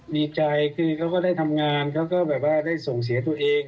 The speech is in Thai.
ดีใจคือเขาก็ได้ทำงานเขาก็แบบว่าได้ส่งเสียตัวเอง